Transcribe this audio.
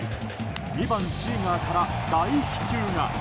２番、シーガーから大飛球が。